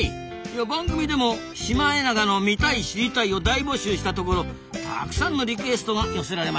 番組でも「シマエナガの見たい・知りたい」を大募集したところたくさんのリクエストが寄せられましたぞ。